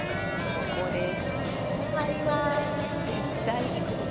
ここです。